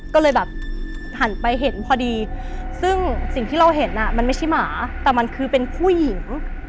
ก็เลยแบบหันไปเห็นพอดีซึ่งสิ่งที่เราเห็นอ่ะมันไม่ใช่หมาแต่มันคือเป็นผู้หญิง